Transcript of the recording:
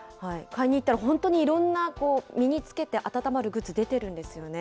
買いにいったら、本当にいろんな、身につけて温まるグッズ、出てるんですよね。